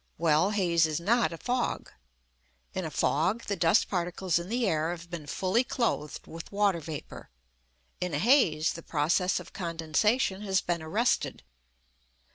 Well, haze is not a fog. In a fog, the dust particles in the air have been fully clothed with water vapour; in a haze, the process of condensation has been arrested.